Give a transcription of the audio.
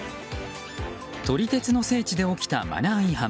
撮り鉄の聖地で起きたマナー違反。